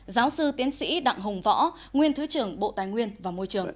giáo sư tiến sĩ đặng hùng võ nguyên thứ trưởng bộ tài nguyên và môi trường